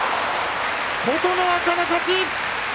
琴ノ若の勝ち。